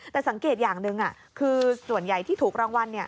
แต่สังเกตอย่างหนึ่งคือส่วนใหญ่ที่ถูกรางวัล